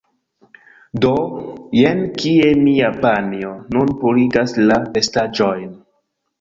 Do, jen kie mia panjo nun purigas la vestaĵojn